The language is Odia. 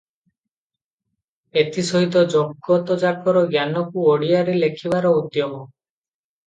ଏଥି ସହିତ ଜଗତଯାକର ଜ୍ଞାନକୁ ଓଡ଼ିଆରେ ଲେଖିବାର ଉଦ୍ୟମ ।